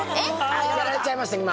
あっやられちゃいました今。